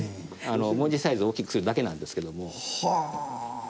文字サイズ大きくするだけなんですけども。